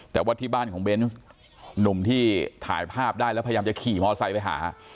แต่ว่าที่บ้านของเบนส์หนุ่มที่ถ่ายภาพได้แล้วพยายามจะขี่มอไซค์ไปหา